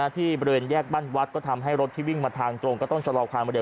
ที่บริเวณแยกบ้านวัดก็ทำให้รถที่วิ่งมาทางตรงก็ต้องชะลอความเร็